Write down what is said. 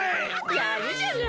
やるじゃない！